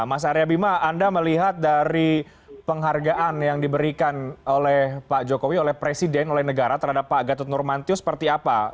mas arya bima anda melihat dari penghargaan yang diberikan oleh pak jokowi oleh presiden oleh negara terhadap pak gatot nurmantio seperti apa